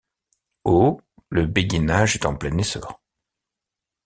Au le béguinage est en plein essor.